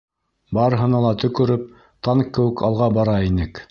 Барыһына ла төкөрөп, танк кеүек алға бара инек!